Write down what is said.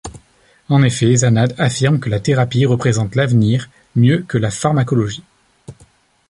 En effet, Zannad affirme que la thérapie représente l'avenir mieux que la pharmacologie.